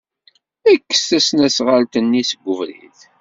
Kkes tasnasɣalt-nni seg ubrid.